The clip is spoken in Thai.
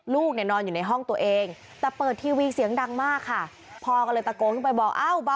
ลูกเนี่ยนอนอยู่ในห้องตัวเองแต่เปิดทีวีเสียงดังมากค่ะ